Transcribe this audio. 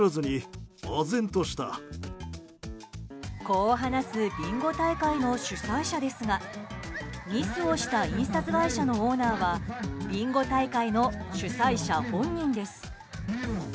こう話すビンゴ大会の主催者ですがミスをした印刷会社のオーナーはビンゴ大会の主催者本人です。